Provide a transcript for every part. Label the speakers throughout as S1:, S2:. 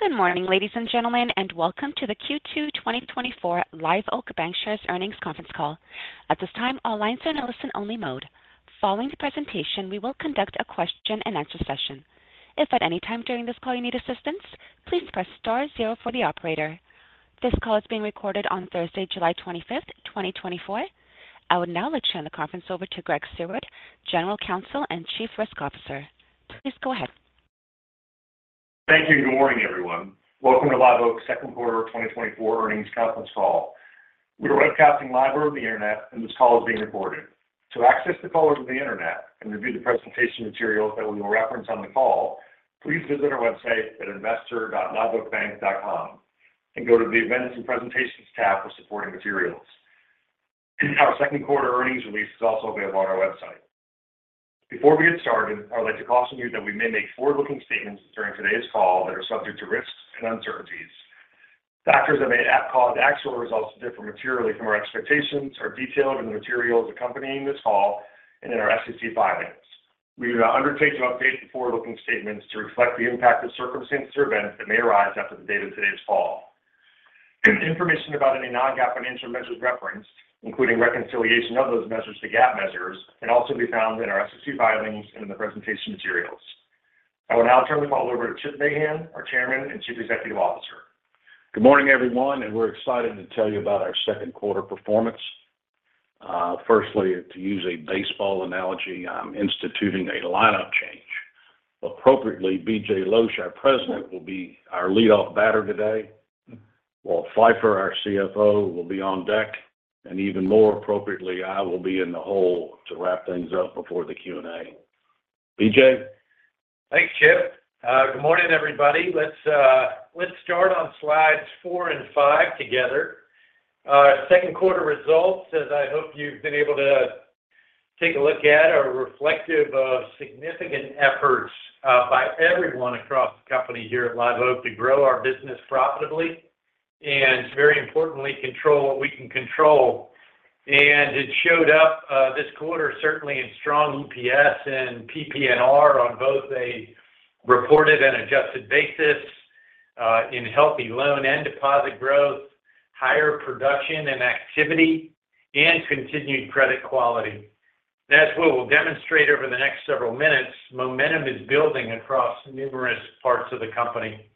S1: Good morning, ladies and gentlemen, and welcome to the Q2 2024 Live Oak Bancshares Earnings Conference Call. At this time, all lines are in a listen-only mode. Following the presentation, we will conduct a question-and-answer session. If at any time during this call you need assistance, please press star zero for the operator. This call is being recorded on Thursday, July 25, 2024. I would now like to turn the conference over to Greg Seward, General Counsel and Chief Risk Officer. Please go ahead.
S2: Thank you, and good morning, everyone. Welcome to Live Oak's second quarter 2024 earnings conference call. We are webcasting live over the Internet, and this call is being recorded. To access the call over the Internet and review the presentation materials that we will reference on the call, please visit our website at investor.liveoakbank.com and go to the Events and Presentations tab for supporting materials. Our second quarter earnings release is also available on our website. Before we get started, I would like to caution you that we may make forward-looking statements during today's call that are subject to risks and uncertainties. Factors that may cause actual results to differ materially from our expectations are detailed in the materials accompanying this call and in our SEC filings. We do not undertake to update the forward-looking statements to reflect the impact of circumstances or events that may arise after the date of today's call. Information about any non-GAAP financial measures referenced, including reconciliation of those measures to GAAP measures, can also be found in our SEC filings and in the presentation materials. I will now turn the call over to Chip Mahan, our Chairman and Chief Executive Officer.
S3: Good morning, everyone, and we're excited to tell you about our second quarter performance. Firstly, to use a baseball analogy, I'm instituting a lineup change. Appropriately, BJ Losch, our President, will be our lead-off batter today, Walt Phifer, our CFO, will be on deck, and even more appropriately, I will be in the hole to wrap things up before the Q&A. BJ?
S4: Thanks, Chip. Good morning, everybody. Let's start on slides four and five together. Our second quarter results, as I hope you've been able to take a look at, are reflective of significant efforts by everyone across the company here at Live Oak to grow our business profitably and very importantly, control what we can control. And it showed up this quarter, certainly in strong EPS and PPNR on both a reported and adjusted basis, in healthy loan and deposit growth, higher production and activity, and continued credit quality. As we will demonstrate over the next several minutes, momentum is building across numerous parts of the company.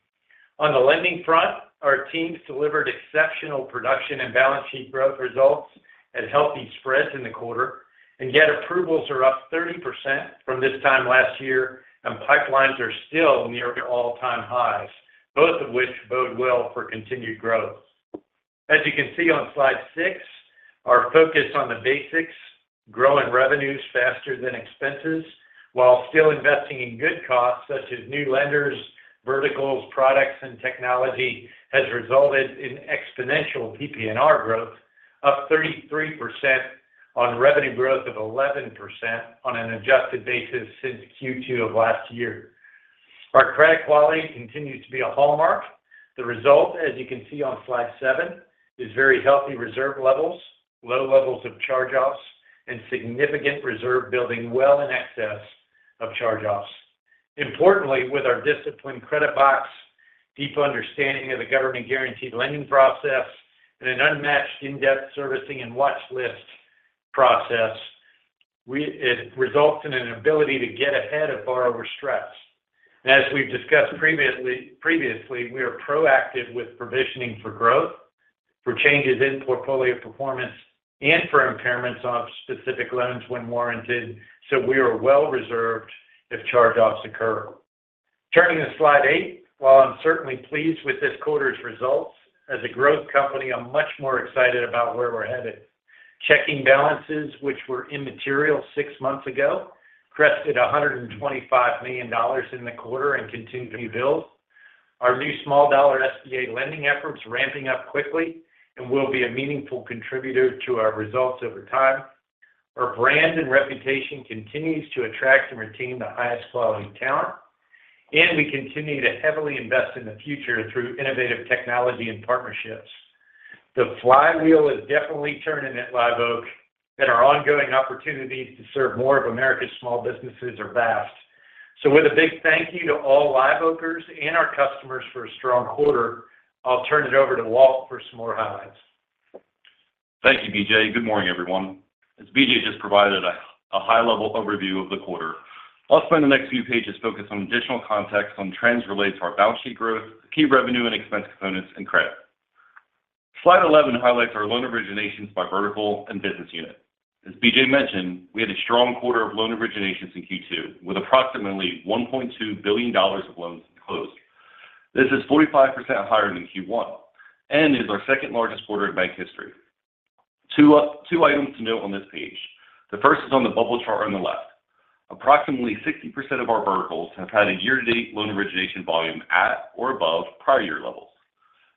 S4: On the lending front, our teams delivered exceptional production and balance sheet growth results at healthy spreads in the quarter, and yet approvals are up 30% from this time last year, and pipelines are still near all-time highs, both of which bode well for continued growth. As you can see on slide six, our focus on the basics, growing revenues faster than expenses, while still investing in good costs such as new lenders, verticals, products, and technology, has resulted in exponential PPNR growth, up 33% on revenue growth of 11% on an adjusted basis since Q2 of last year. Our credit quality continues to be a hallmark. The result, as you can see on slide seven, is very healthy reserve levels, low levels of charge-offs, and significant reserve building well in excess of charge-offs. Importantly, with our disciplined credit box, deep understanding of the government-guaranteed lending process, and an unmatched in-depth servicing and watchlist process, we—it results in an ability to get ahead of borrower stress. As we've discussed previously, we are proactive with provisioning for growth, for changes in portfolio performance, and for impairments on specific loans when warranted, so we are well reserved if charge-offs occur. Turning to slide eight, while I'm certainly pleased with this quarter's results, as a growth company, I'm much more excited about where we're headed. Checking balances, which were immaterial six months ago, crested $125 million in the quarter and continue to build. Our new small dollar SBA lending efforts ramping up quickly and will be a meaningful contributor to our results over time. Our brand and reputation continues to attract and retain the highest quality talent, and we continue to heavily invest in the future through innovative technology and partnerships. The flywheel is definitely turning at Live Oak, and our ongoing opportunities to serve more of America's small businesses are vast. So with a big thank you to all Live Oakers and our customers for a strong quarter, I'll turn it over to Walt for some more highlights.
S5: Thank you, BJ. Good morning, everyone. As BJ just provided a high-level overview of the quarter, I'll spend the next few pages focused on additional context on trends related to our balance sheet growth, key revenue and expense components, and credit. Slide 11 highlights our loan originations by vertical and business unit. As BJ mentioned, we had a strong quarter of loan originations in Q2, with approximately $1.2 billion of loans closed. This is 45% higher than Q1 and is our second-largest quarter in bank history. Two, two items to note on this page. The first is on the bubble chart on the left. Approximately 60% of our verticals have had a year-to-date loan origination volume at or above prior year levels.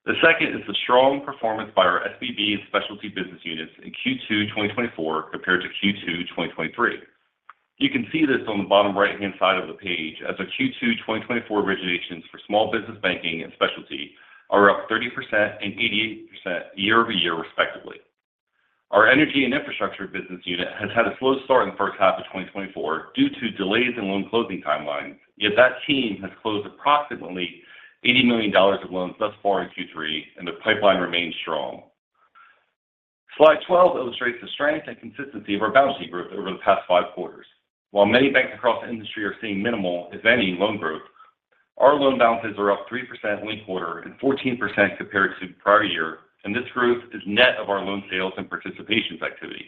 S5: The second is the strong performance by our SBA and Specialty business units in Q2 2024 compared to Q2 2023. You can see this on the bottom right-hand side of the page as our Q2 2024 originations for Small Business Banking and Specialty are up 30% and 88% year-over-year, respectively. Our Energy and Infrastructure business unit has had a slow start in the first half of 2024 due to delays in loan closing timelines. Yet that team has closed approximately $80 million of loans thus far in Q3, and the pipeline remains strong. Slide 12 illustrates the strength and consistency of our balance sheet growth over the past five quarters. While many banks across the industry are seeing minimal, if any, loan growth, our loan balances are up 3% linked quarter and 14% compared to the prior year, and this growth is net of our loan sales and participations activity.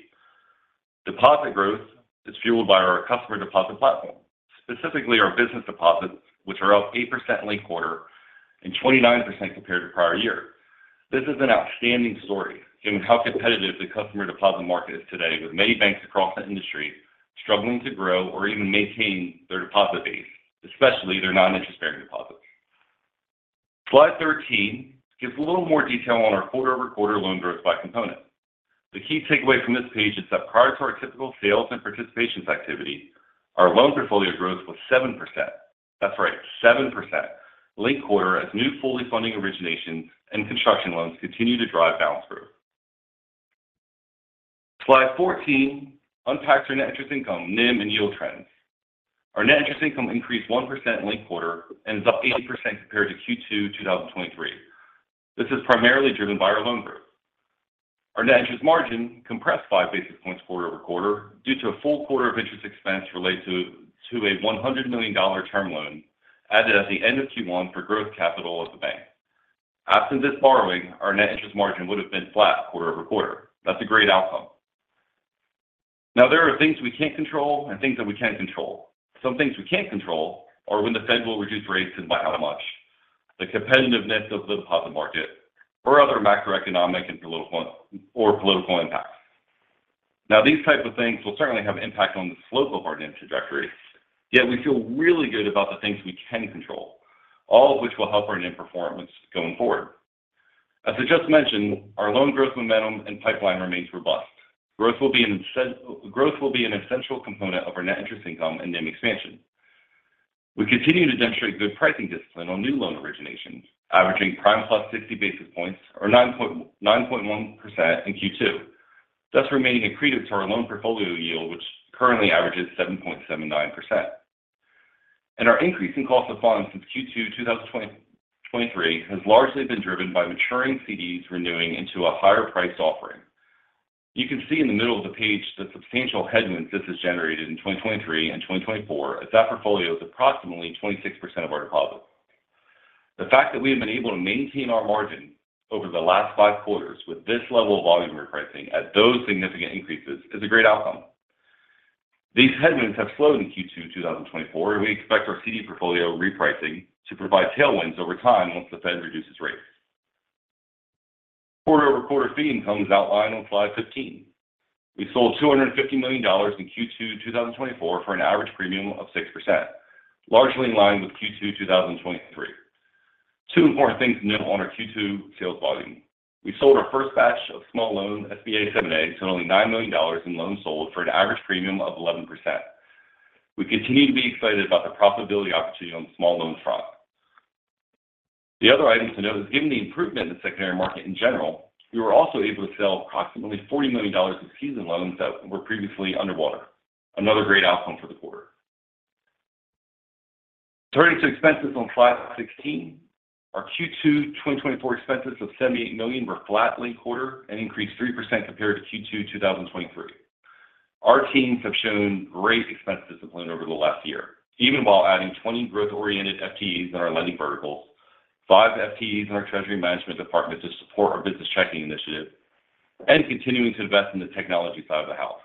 S5: Deposit growth is fueled by our customer deposit platform, specifically our business deposits, which are up 8% linked quarter and 29% compared to prior year. This is an outstanding story, given how competitive the customer deposit market is today, with many banks across the industry struggling to grow or even maintain their deposit base, especially their non-interest-bearing deposits. Slide 13 gives a little more detail on our quarter-over-quarter loan growth by component. The key takeaway from this page is that prior to our typical sales and participations activity, our loan portfolio growth was 7%. That's right, 7% linked quarter as new fully funding originations and construction loans continue to drive balance growth. Slide 14 unpacks our net interest income, NIM, and yield trends. Our net interest income increased 1% linked quarter and is up 80% compared to Q2 2023. This is primarily driven by our loan growth. Our net interest margin compressed 5 basis points quarter-over-quarter due to a full quarter of interest expense related to a $100 million term loan added at the end of Q1 for growth capital of the bank. Absent this borrowing, our net interest margin would have been flat quarter-over-quarter. That's a great outcome. Now, there are things we can't control and things that we can control. Some things we can't control are when the Fed will reduce rates and by how much, the competitiveness of the deposit market or other macroeconomic and political impacts. Now, these types of things will certainly have an impact on the slope of our NIM trajectory, yet we feel really good about the things we can control, all of which will help our NIM performance going forward. As I just mentioned, our loan growth momentum and pipeline remains robust. Growth will be an essential, growth will be an essential component of our net interest income and NIM expansion. We continue to demonstrate good pricing discipline on new loan originations, averaging Prime plus 60 basis points or 9.1% in Q2, thus remaining accretive to our loan portfolio yield, which currently averages 7.79%. And our increase in cost of funds since Q2 2023 has largely been driven by maturing CDs renewing into a higher priced offering. You can see in the middle of the page the substantial headwinds this has generated in 2023 and 2024, as that portfolio is approximately 26% of our deposits. The fact that we have been able to maintain our margin over the last five quarters with this level of volume repricing at those significant increases is a great outcome. These headwinds have slowed in Q2 2024, and we expect our CD portfolio repricing to provide tailwinds over time once the Fed reduces rates. Quarter-over-quarter fee income is outlined on slide 15. We sold $250 million in Q2 2024, for an average premium of 6%, largely in line with Q2 2023. Two important things to note on our Q2 sales volume: We sold our first batch of small loan SBA 7(a), totaling $9 million in loans sold for an average premium of 11%. We continue to be excited about the profitability opportunity on the small loan front. The other item to note is, given the improvement in the secondary market in general, we were also able to sell approximately $40 million in seasoned loans that were previously underwater. Another great outcome for the quarter. Turning to expenses on slide 16, our Q2 2024 expenses of $78 million were flat linked quarter and increased 3% compared to Q2 2023. Our teams have shown great expense discipline over the last year, even while adding 20 growth-oriented FTEs in our lending verticals, 5 FTEs in our treasury management department to support our business checking initiative, and continuing to invest in the technology side of the house.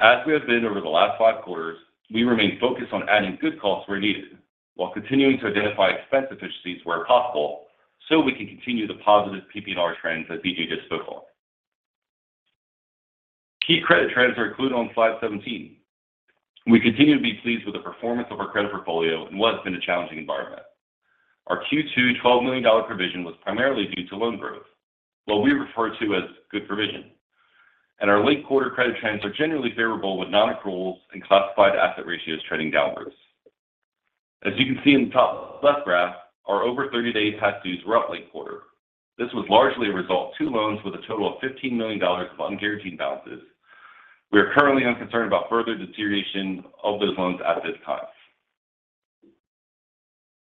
S5: As we have been over the last 5 quarters, we remain focused on adding good costs where needed, while continuing to identify expense efficiencies where possible, so we can continue the positive PPNR trends that BJ just spoke on. Key credit trends are included on slide 17. We continue to be pleased with the performance of our credit portfolio in what has been a challenging environment. Our Q2 $12 million provision was primarily due to loan growth, what we refer to as good provision, and our linked quarter credit trends are generally favorable with nonaccruals and classified asset ratios trending downwards. As you can see in the top left graph, our over 30-day past dues were up linked quarter. This was largely a result of 2 loans with a total of $15 million of unguaranteed balances. We are currently unconcerned about further deterioration of those loans at this time.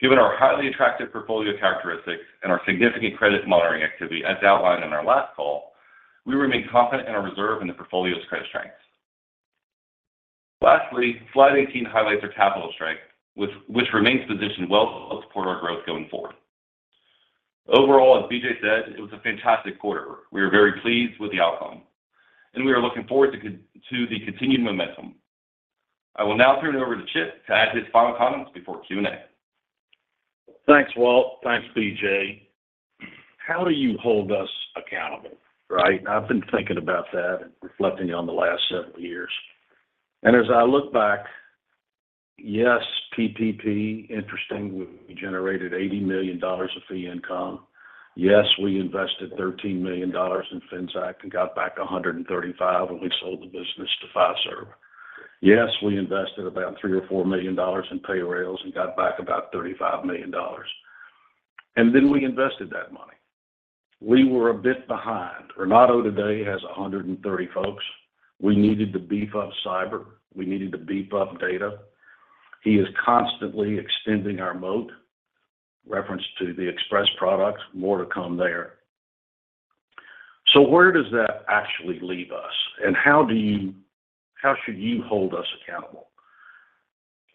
S5: Given our highly attractive portfolio characteristics and our significant credit monitoring activity, as outlined in our last call, we remain confident in our reserve and the portfolio's credit strength. Lastly, slide 18 highlights our capital strength, which remains positioned well to support our growth going forward. Overall, as BJ said, it was a fantastic quarter. We are very pleased with the outcome, and we are looking forward to the continued momentum. I will now turn it over to Chip to add his final comments before Q&A.
S3: Thanks, Walt. Thanks, BJ. How do you hold us accountable, right? I've been thinking about that and reflecting on the last several years. As I look back, yes, PPP, interesting, we generated $80 million of fee income. Yes, we invested $13 million in Finxact and got back $135 million, and we sold the business to Fiserv. Yes, we invested about $3 million-$4 million in Payrailz and got back about $35 million.... and then we invested that money. We were a bit behind. Renato today has 130 folks. We needed to beef up cyber. We needed to beef up data. He is constantly extending our moat, reference to the Express products, more to come there. So where does that actually leave us? And how do you- how should you hold us accountable?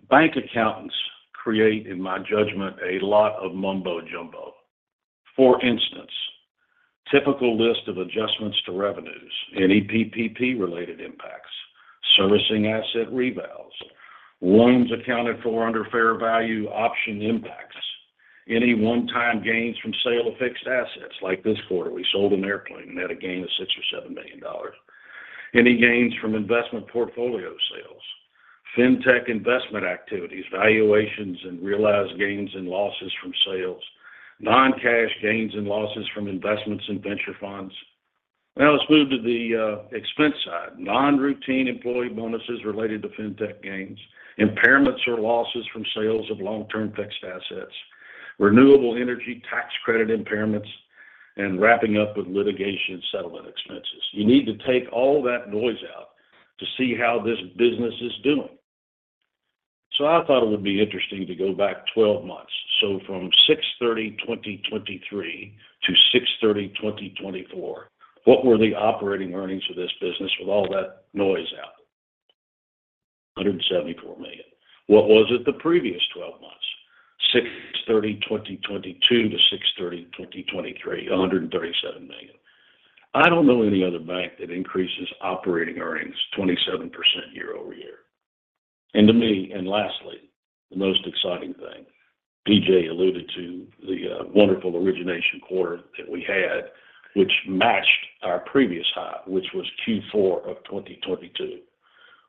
S3: Bank accountants create, in my judgment, a lot of mumbo jumbo. For instance, typical list of adjustments to revenues, any PPP-related impacts, servicing asset revals, loans accounted for under fair value, option impacts, any one-time gains from sale of fixed assets. Like this quarter, we sold an airplane and had a gain of $6 million-$7 million. Any gains from investment portfolio sales, fintech investment activities, valuations, and realized gains and losses from sales, non-cash gains and losses from investments in venture funds. Now, let's move to the expense side. Non-routine employee bonuses related to fintech gains, impairments or losses from sales of long-term fixed assets, renewable energy tax credit impairments, and wrapping up with litigation and settlement expenses. You need to take all that noise out to see how this business is doing. So I thought it would be interesting to go back 12 months. So from 6/30/2023 to 6/30/2024, what were the operating earnings for this business with all that noise out? $174 million. What was it the previous 12 months? 6/30/2022 to 6/30/2023, $137 million. I don't know any other bank that increases operating earnings 27% year-over-year. And to me, and lastly, the most exciting thing, BJ alluded to the wonderful origination quarter that we had, which matched our previous high, which was Q4 of 2022.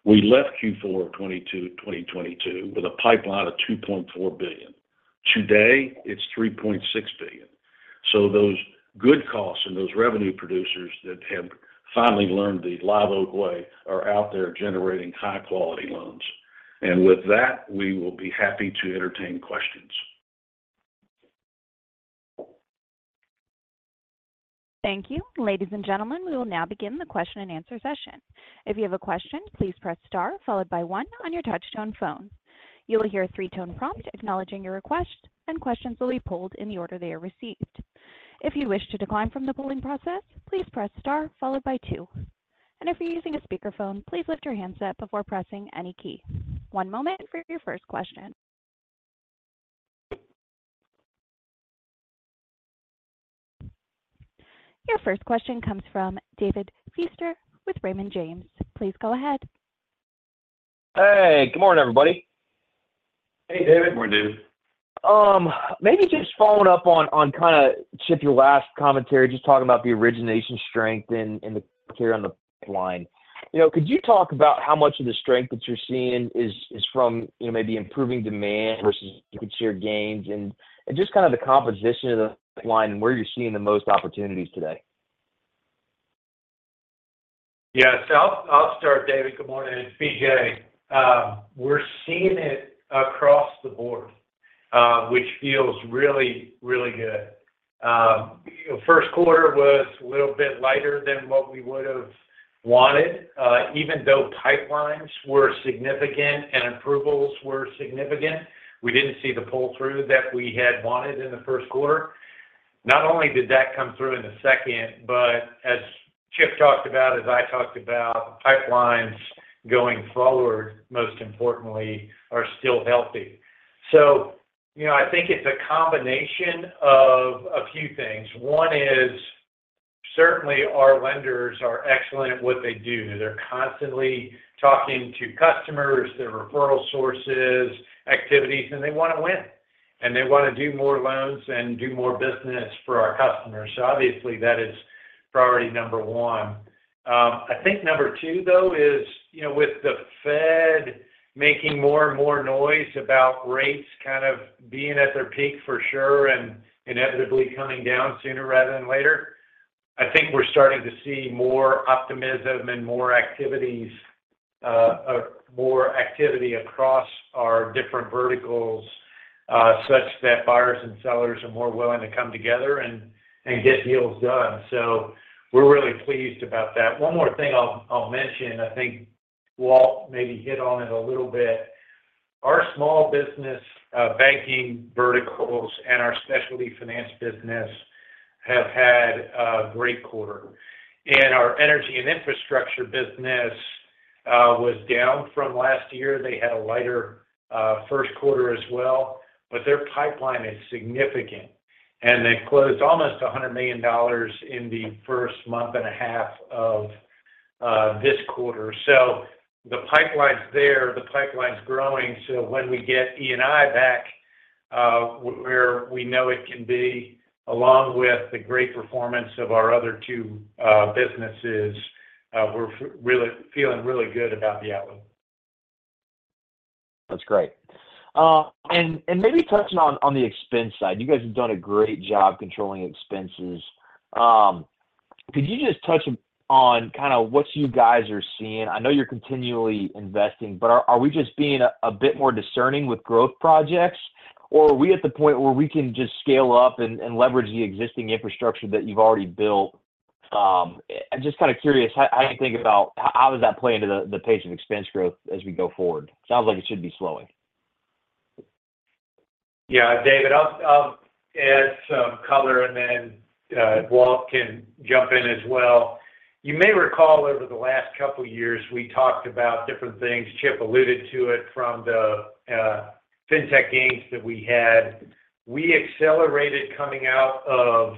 S3: We left Q4 of 2022 with a pipeline of $2.4 billion. Today, it's $3.6 billion. So those good costs and those revenue producers that have finally learned the Live Oak Way are out there generating high-quality loans. And with that, we will be happy to entertain questions.
S1: Thank you. Ladies and gentlemen, we will now begin the question-and-answer session. If you have a question, please press star, followed by one on your touch-tone phone. You will hear a three-tone prompt acknowledging your request, and questions will be pulled in the order they are received. If you wish to decline from the polling process, please press star followed by two. And if you're using a speakerphone, please lift your handset before pressing any key. One moment for your first question. Your first question comes from David Feaster with Raymond James. Please go ahead.
S6: Hey, good morning, everybody.
S4: Hey, David.
S3: Good morning, David.
S6: Maybe just following up on kind of Chip, your last commentary, just talking about the origination strength and the carry on the pipeline. You know, could you talk about how much of the strength that you're seeing is from, you know, maybe improving demand versus market share gains and just kind of the composition of the pipeline and where you're seeing the most opportunities today?
S4: Yes, so I'll start, David. Good morning. It's BJ. We're seeing it across the board, which feels really, really good. First quarter was a little bit lighter than what we would have wanted. Even though pipelines were significant and approvals were significant, we didn't see the pull-through that we had wanted in the first quarter. Not only did that come through in the second, but as Chip talked about, as I talked about, pipelines going forward, most importantly, are still healthy. So, you know, I think it's a combination of a few things. One is, certainly, our lenders are excellent at what they do. They're constantly talking to customers, their referral sources, activities, and they want to win, and they want to do more loans and do more business for our customers. So obviously, that is priority number one. I think number two, though, is, you know, with the Fed making more and more noise about rates kind of being at their peak for sure and inevitably coming down sooner rather than later, I think we're starting to see more optimism and more activities, more activity across our different verticals, such that buyers and sellers are more willing to come together and get deals done. So we're really pleased about that. One more thing I'll mention, I think Walt maybe hit on it a little bit. Our Small Business anking verticals and our Specialty Finance business have had a great quarter, and our energy and infrastructure business was down from last year. They had a lighter first quarter as well, but their pipeline is significant, and they closed almost $100 million in the first month and a half of this quarter. So the pipeline's there, the pipeline's growing, so when we get E&I back where we know it can be, along with the great performance of our other two businesses, we're feeling really good about the outlook.
S6: That's great. And maybe touching on the expense side, you guys have done a great job controlling expenses. Could you just touch on kind of what you guys are seeing? I know you're continually investing, but are we just being a bit more discerning with growth projects, or are we at the point where we can just scale up and leverage the existing infrastructure that you've already built? I'm just kind of curious how you think about how does that play into the pace of expense growth as we go forward? Sounds like it should be slowing.
S4: Yeah, David, I'll, I'll add some color, and then Walt can jump in as well. You may recall over the last couple of years, we talked about different things. Chip alluded to it from the fintech gains that we had. We accelerated coming out of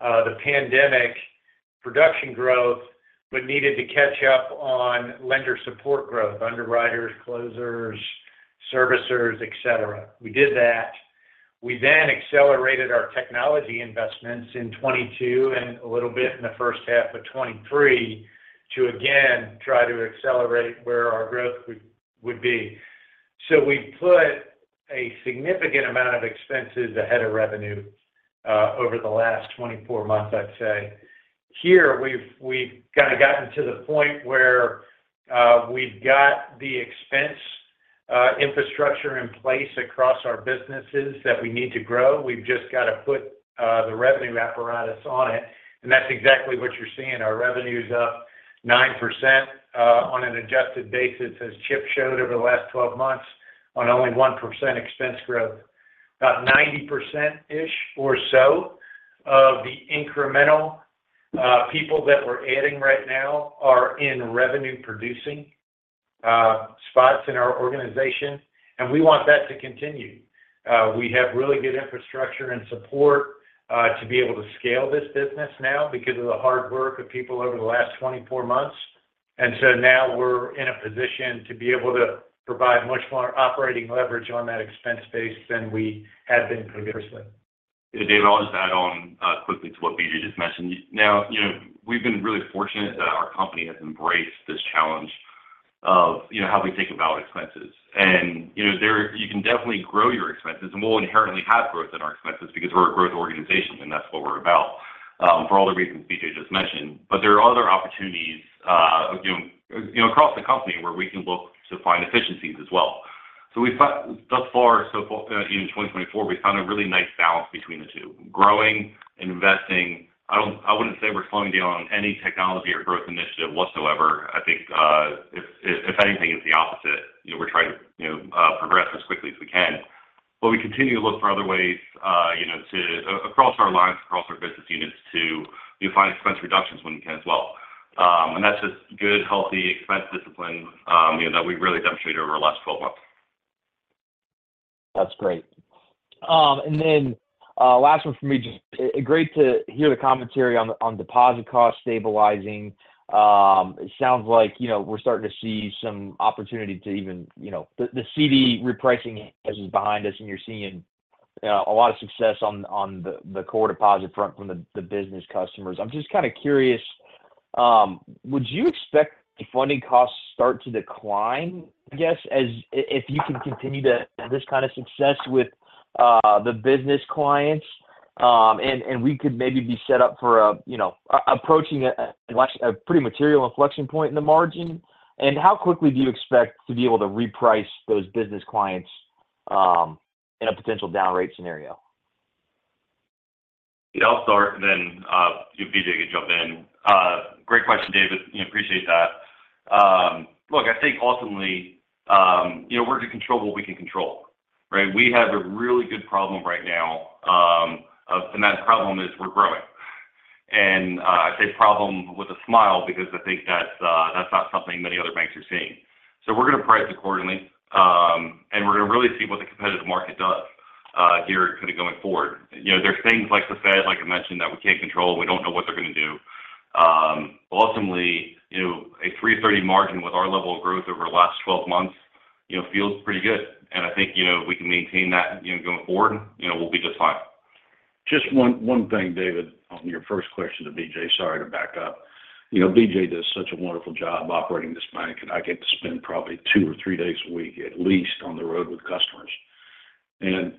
S4: the pandemic production growth, but needed to catch up on lender support growth, underwriters, closers, servicers, et cetera. We did that. We then accelerated our technology investments in 2022, and a little bit in the first half of 2023, to again try to accelerate where our growth would, would be. So we put a significant amount of expenses ahead of revenue over the last 24 months, I'd say. Here, we've, we've kind of gotten to the point where we've got the expense infrastructure in place across our businesses that we need to grow. We've just got to put the revenue apparatus on it, and that's exactly what you're seeing. Our revenue is up 9%, on an adjusted basis, as Chip showed over the last 12 months, on only 1% expense growth. About 90%-ish or so of the incremental people that we're adding right now are in revenue-producing spots in our organization, and we want that to continue. We have really good infrastructure and support to be able to scale this business now because of the hard work of people over the last 24 months. And so now we're in a position to be able to provide much more operating leverage on that expense base than we had been previously.
S5: Yeah, David, I'll just add on, quickly to what BJ just mentioned. Now, you know, we've been really fortunate that our company has embraced this challenge of, you know, how we think about expenses. And, you know, you can definitely grow your expenses, and we'll inherently have growth in our expenses because we're a growth organization, and that's what we're about, for all the reasons BJ just mentioned. But there are other opportunities, you know, you know, across the company where we can look to find efficiencies as well. So we've found thus far, so far, in 2024, we found a really nice balance between the two: growing, investing. I don't, I wouldn't say we're slowing down on any technology or growth initiative whatsoever. I think, if anything, it's the opposite. You know, we're trying to, you know, progress as quickly as we can, but we continue to look for other ways, you know, to across our lines, across our business units, to, you know, find expense reductions when we can as well. And that's just good, healthy expense discipline, you know, that we've really demonstrated over the last 12 months.
S6: That's great. And then, last one from me, just, great to hear the commentary on, on deposit costs stabilizing. It sounds like, you know, we're starting to see some opportunity to even... You know, the, the CD repricing is behind us, and you're seeing, a lot of success on, on the, the core deposit front from the, the business customers. I'm just kind of curious, would you expect the funding costs start to decline, I guess, as... If you can continue to have this kind of success with, the business clients, and, and we could maybe be set up for a, you know, approaching a, a pretty material inflection point in the margin? And how quickly do you expect to be able to reprice those business clients, in a potential down rate scenario?
S5: Yeah, I'll start, and then, BJ can jump in. Great question, David. I appreciate that. Look, I think ultimately, you know, we're going to control what we can control, right? We have a really good problem right now, and that problem is we're growing. And, I say problem with a smile because I think that's, that's not something many other banks are seeing. So we're going to price accordingly, and we're going to really see what the competitive market does, here kind of going forward. You know, there are things like the Fed, like I mentioned, that we can't control. We don't know what they're going to do. But ultimately, you know, 3.30% margin with our level of growth over the last 12 months, you know, feels pretty good. I think, you know, if we can maintain that, you know, going forward, you know, we'll be just fine.
S3: Just one thing, David, on your first question to BJ. Sorry to back up. You know, BJ does such a wonderful job operating this bank, and I get to spend probably two or three days a week, at least, on the road with customers. And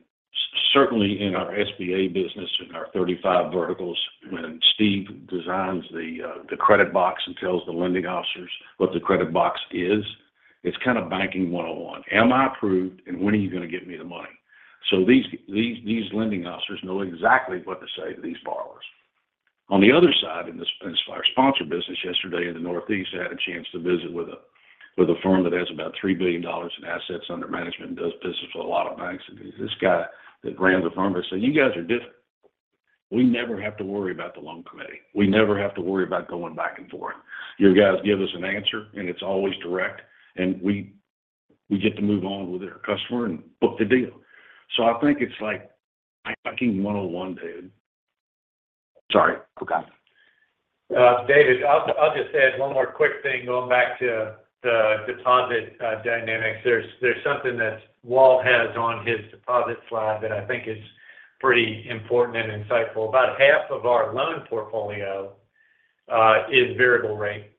S3: certainly, in our SBA business, in our 35 verticals, when Steve designs the credit box and tells the lending officers what the credit box is, it's kind of banking 101. Am I approved, and when are you going to get me the money? So these lending officers know exactly what to say to these borrowers. On the other side, in our sponsor business yesterday in the Northeast, I had a chance to visit with a firm that has about $3 billion in assets under management and does business with a lot of banks. This guy that ran the firm, he said, "You guys are different. We never have to worry about the loan committee. We never have to worry about going back and forth. You guys give us an answer, and it's always direct, and we, we get to move on with our customer and book the deal." So I think it's like banking 101, David. Sorry.
S6: Okay.
S4: David, I'll just add one more quick thing, going back to the deposit dynamics. There's something that Walt has on his deposit slide that I think is pretty important and insightful. About half of our loan portfolio is variable rate...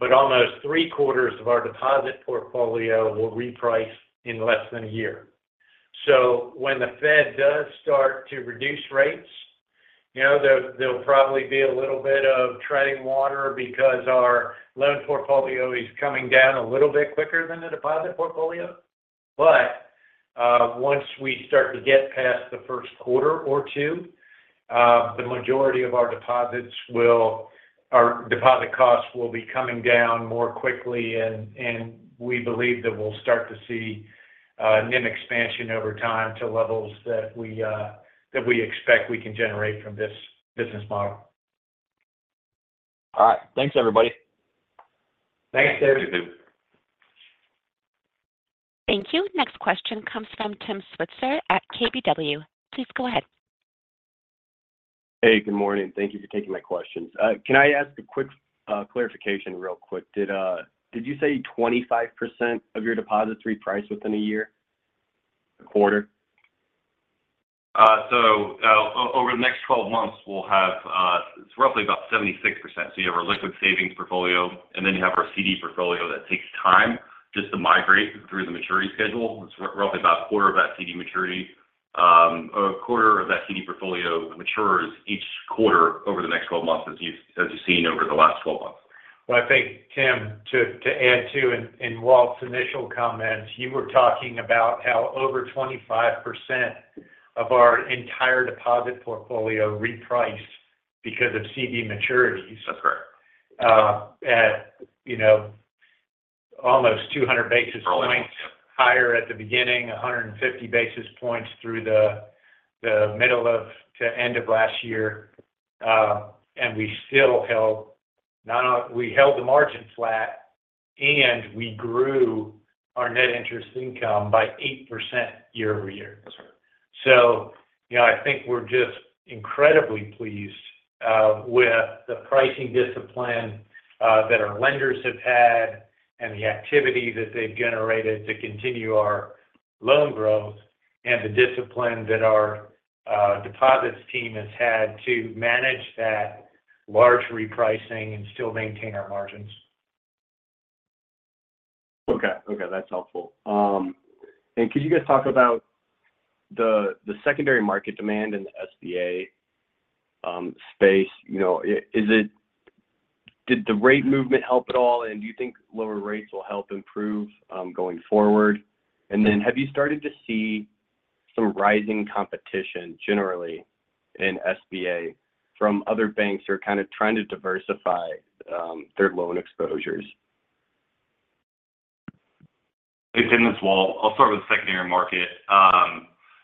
S4: but almost 3/4 of our deposit portfolio will reprice in less than a year. So when the Fed does start to reduce rates, you know, there'll probably be a little bit of treading water because our loan portfolio is coming down a little bit quicker than the deposit portfolio. But, once we start to get past the first quarter or two, the majority of our deposits will, our deposit costs will be coming down more quickly, and we believe that we'll start to see NIM expansion over time to levels that we expect we can generate from this business model.
S6: All right. Thanks, everybody.
S4: Thanks, David.
S1: Thank you. Next question comes from Tim Switzer at KBW. Please go ahead.
S7: Hey, good morning. Thank you for taking my questions. Can I ask a quick clarification real quick? Did you say 25% of your deposits reprice within a year, a quarter?
S5: So, over the next 12 months, we'll have, it's roughly about 76%. So you have our liquid savings portfolio, and then you have our CD portfolio that takes time just to migrate through the maturity schedule. It's roughly about a quarter of that CD maturity. 1/4 of that CD portfolio matures each quarter over the next 12 months, as you've seen over the last 12 months.
S4: Well, I think, Tim, to add to in Walt's initial comments, you were talking about how over 25% of our entire deposit portfolio repriced because of CD maturities.
S5: That's correct.
S4: You know, almost 200 basis points higher at the beginning, 150 basis points through the middle of to end of last year. We still held not—we held the margin flat, and we grew our net interest income by 8% year-over-year.
S5: That's right.
S4: You know, I think we're just incredibly pleased with the pricing discipline that our lenders have had and the activity that they've generated to continue our loan growth and the discipline that our deposits team has had to manage that large repricing and still maintain our margins.
S7: Okay. Okay, that's helpful. And could you guys talk about the secondary market demand in the SBA space? You know, is it? Did the rate movement help at all, and do you think lower rates will help improve going forward? And then, have you started to see some rising competition generally in SBA from other banks who are kind of trying to diversify their loan exposures?
S5: Hey, Tim, it's Walt. I'll start with the secondary market.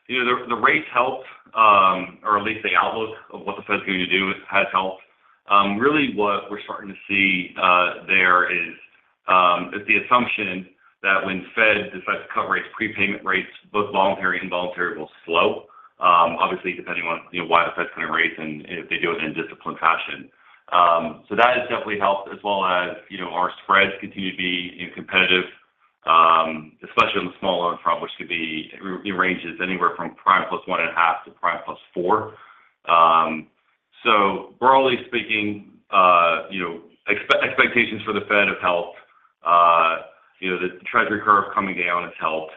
S5: You know, the rates helped, or at least the outlook of what the Fed is going to do has helped. Really what we're starting to see is the assumption that when Fed decides to cut rates, prepayment rates, both voluntary and involuntary, will slow. Obviously, depending on, you know, why the Fed is cutting rates and if they do it in a disciplined fashion. So that has definitely helped, as well as, you know, our spreads continue to be competitive, especially on the small loan front, which could be in ranges anywhere from prime plus 1.5 to prime plus 4. So broadly speaking, you know, expectations for the Fed have helped. You know, the Treasury curve coming down has helped.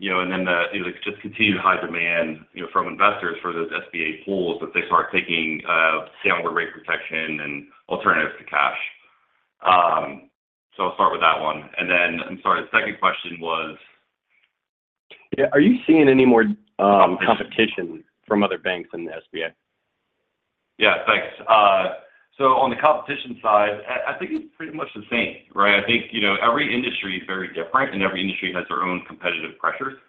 S5: You know, and then just continued high demand, you know, from investors for those SBA pools that they start taking downward rate protection and alternatives to cash. So I'll start with that one. And then, I'm sorry, the second question was?
S7: Yeah. Are you seeing any more competition from other banks in the SBA?
S5: Yeah, thanks. So on the competition side, I, I think it's pretty much the same, right? I think, you know, every industry is very different, and every industry has their own competitive pressures.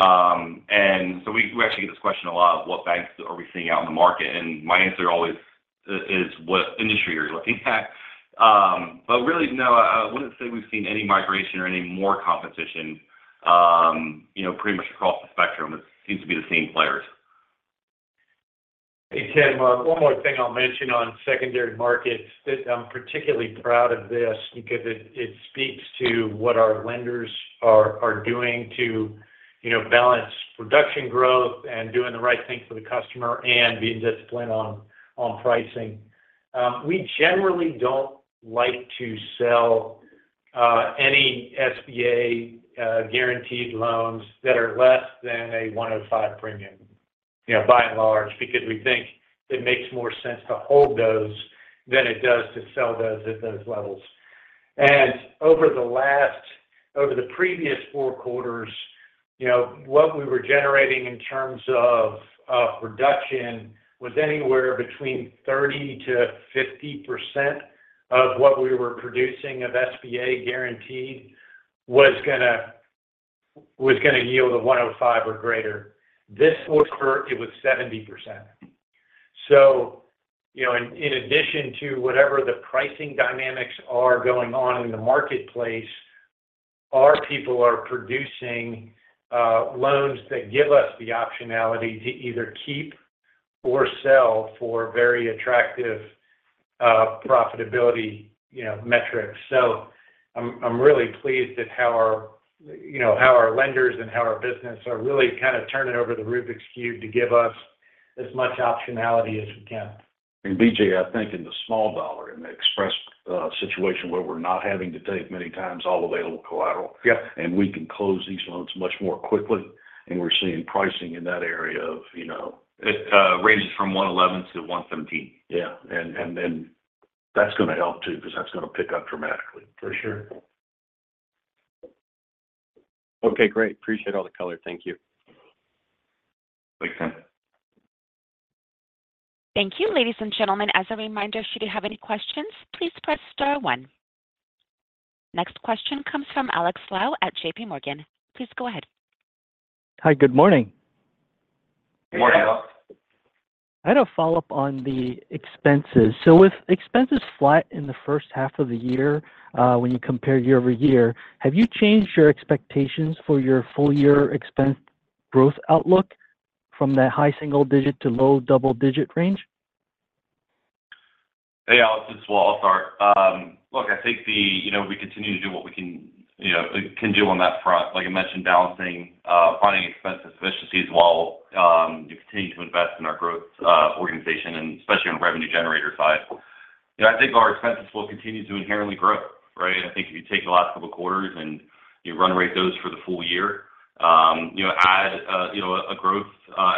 S5: And so we, we actually get this question a lot, what banks are we seeing out in the market? And my answer always is, what industry are you looking at? But really, no, I wouldn't say we've seen any migration or any more competition. You know, pretty much across the spectrum, it seems to be the same players.
S4: Hey, Tim, one more thing I'll mention on secondary markets, that I'm particularly proud of this because it speaks to what our lenders are doing to, you know, balance production growth and doing the right thing for the customer and being disciplined on pricing. We generally don't like to sell any SBA guaranteed loans that are less than a 105 premium, you know, by and large, because we think it makes more sense to hold those than it does to sell those at those levels. And over the previous 4 quarters, you know, what we were generating in terms of reduction was anywhere between 30%-50% of what we were producing of SBA guaranteed was going to yield a 105 or greater. This quarter, it was 70%. So, you know, in addition to whatever the pricing dynamics are going on in the marketplace, our people are producing loans that give us the optionality to either keep or sell for very attractive profitability, you know, metrics. So I'm really pleased at how our, you know, how our lenders and how our business are really kind of turning over the Rubik's Cube to give us as much optionality as we can.
S3: BJ, I think in the small dollar, in the Express situation where we're not having to take many times all available.
S4: Yes.
S3: We can close these loans much more quickly, and we're seeing pricing in that area of, you know-
S4: It ranges from 1.11 to 1.17.
S3: Yeah, and then that's going to help too, because that's going to pick up dramatically. For sure.
S7: Okay, great. Appreciate all the color. Thank you.
S3: Thanks.
S1: Thank you, ladies and gentlemen. As a reminder, should you have any questions, please press star one. Next question comes from Alex Lau at JPMorgan. Please go ahead.
S8: Hi, good morning.
S3: Good morning, Alex.
S8: I had a follow-up on the expenses. So with expenses flat in the first half of the year, when you compare year-over-year, have you changed your expectations for your full year expense growth outlook from that high single digit to low double digit range?
S5: Hey, Alex, this is Walt. I'll start. Look, I think... You know, we continue to do what we can, you know, can do on that front. Like I mentioned, balancing, finding expense efficiencies while you continue to invest in our growth organization and especially on the revenue generator side. You know, I think our expenses will continue to inherently grow, right? I think if you take the last couple of quarters and you run rate those for the full year, you know, add, you know, a growth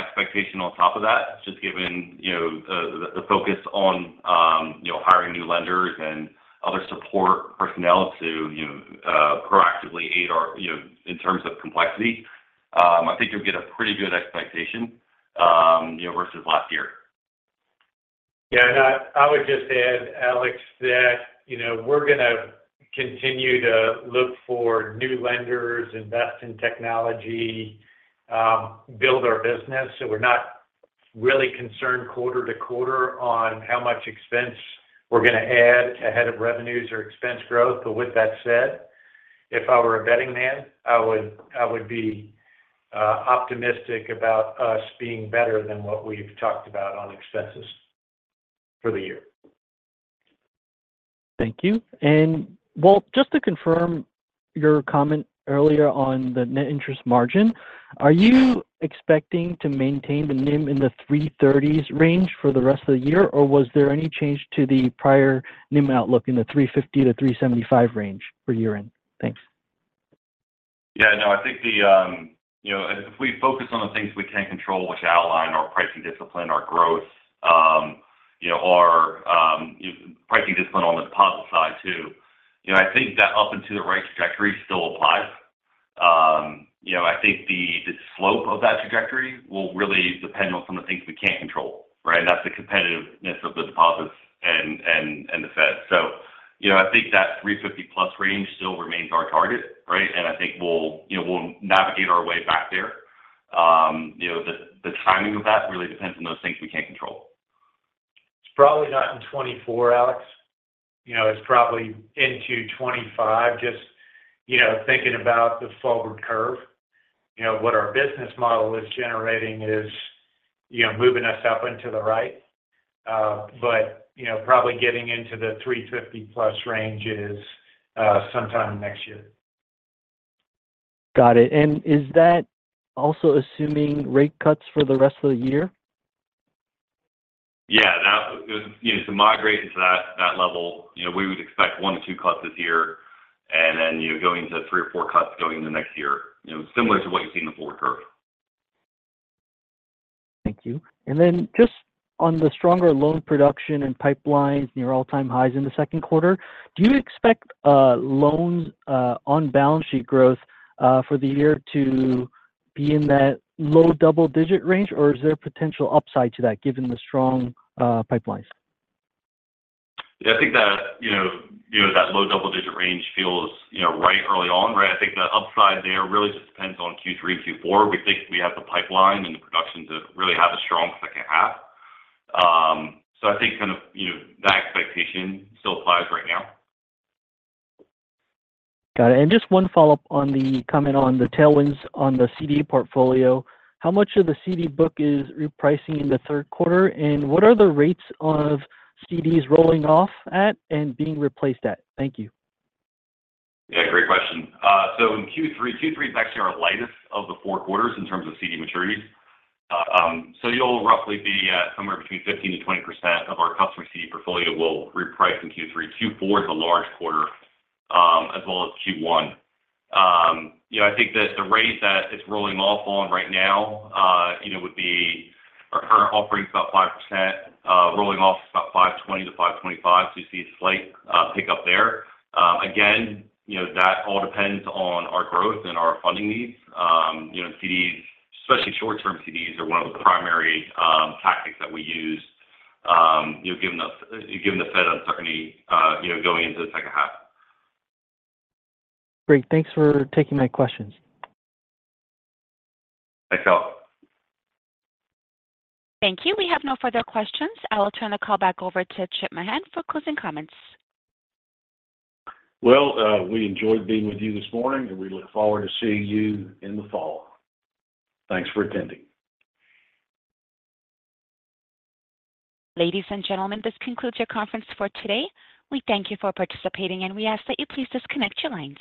S5: expectation on top of that, just given, you know, the, the focus on, you know, hiring new lenders and other support personnel to, you know, proactively aid our, you know, in terms of complexity, I think you'll get a pretty good expectation, you know, versus last year.
S4: Yeah, and I, I would just add, Alex, that, you know, we're going to continue to look for new lenders, invest in technology, build our business. So we're not really concerned quarter to quarter on how much expense we're going to add ahead of revenues or expense growth. But with that said, if I were a betting man, I would, I would be, optimistic about us being better than what we've talked about on expenses for the year.
S8: Thank you. And Walt, just to confirm your comment earlier on the net interest margin, are you expecting to maintain the NIM in the 3.30%s range for the rest of the year, or was there any change to the prior NIM outlook in the 3.50%-3.75% range for year-end? Thanks.
S5: Yeah, no, I think the, you know, if we focus on the things we can control, which outline our pricing discipline, our growth, you know, our, pricing discipline on the deposit side too, you know, I think that up into the right trajectory still applies. You know, I think the, the slope of that trajectory will really depend on some of the things we can't control, right? And that's the competitiveness of the deposits and, and, and the Fed. So, you know, I think that 3.50%+ range still remains our target, right? And I think we'll, you know, we'll navigate our way back there. You know, the, the timing of that really depends on those things we can't control.
S4: It's probably not in 2024, Alex. You know, it's probably into 2025, just, you know, thinking about the forward curve. You know, what our business model is generating is, you know, moving us up into the right, but, you know, probably getting into the 3.50%+ range is, sometime next year.
S8: Got it. And is that also assuming rate cuts for the rest of the year?
S5: Yeah, that... you know, to migrate into that level, you know, we would expect 1-2 cuts this year, and then, you know, going to 3 or 4 cuts going in the next year, you know, similar to what you see in the forward curve.
S8: Thank you. And then just on the stronger loan production and pipelines near all-time highs in the second quarter, do you expect loans on balance sheet growth for the year to be in that low double-digit range, or is there potential upside to that given the strong pipelines?
S5: Yeah, I think that, you know, you know, that low double-digit range feels, you know, right early on, right? I think the upside there really just depends on Q3, Q4. We think we have the pipeline and the production to really have a strong second half. So I think kind of, you know, that expectation still applies right now.
S8: Got it. And just one follow-up on the comment on the tailwinds on the CD portfolio. How much of the CD book is repricing in the third quarter, and what are the rates of CDs rolling off at and being replaced at? Thank you.
S5: Yeah, great question. So in Q3, Q3 is actually our lightest of the four quarters in terms of CD maturities. So you'll roughly be somewhere between 15%-20% of our customer CD portfolio will reprice in Q3. Q4 is a large quarter, as well as Q1. You know, I think that the rates that it's rolling off on right now, you know, would be our current offering is about 5%, rolling off about 5.20%-5.25%. So you see a slight pickup there. Again, you know, that all depends on our growth and our funding needs. You know, CDs, especially short-term CDs, are one of the primary tactics that we use, you know, given the Fed uncertainty, you know, going into the second half.
S8: Great. Thanks for taking my questions.
S5: Thanks, Alex.
S1: Thank you. We have no further questions. I will turn the call back over to Chip Mahan for closing comments.
S3: Well, we enjoyed being with you this morning, and we look forward to seeing you in the fall. Thanks for attending.
S1: Ladies and gentlemen, this concludes your conference for today. We thank you for participating, and we ask that you please disconnect your lines.